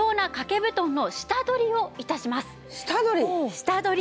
下取り！